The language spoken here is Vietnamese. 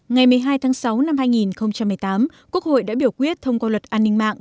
ngày một mươi hai tháng sáu năm hai nghìn một mươi tám quốc hội đã biểu quyết thông qua luật an ninh mạng